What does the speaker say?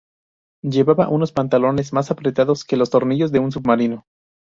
Llevaba unos pantalones más apretados que los tornillos de un submarino